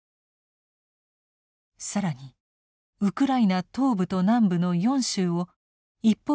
更にウクライナ東部と南部の４州を一方的に併合すると宣言。